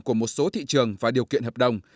của một số thị trường và điều kiện hợp đồng